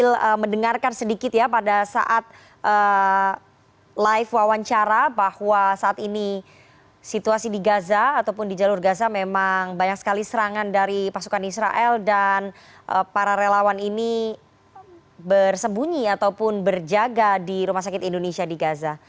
saya ingin mendengarkan sedikit ya pada saat live wawancara bahwa saat ini situasi di gaza ataupun di jalur gaza memang banyak sekali serangan dari pasukan israel dan para relawan ini bersembunyi ataupun berjaga di rumah sakit indonesia di gaza